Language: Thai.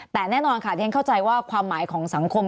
แต่แน่นอนค่ะที่ฉันเข้าใจว่าความหมายของสังคม